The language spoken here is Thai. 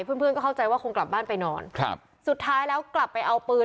เพื่อนเพื่อนก็เข้าใจว่าคงกลับบ้านไปนอนครับสุดท้ายแล้วกลับไปเอาปืน